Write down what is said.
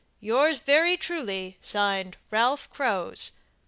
Yours very truly," (Signed) Ralph Krows.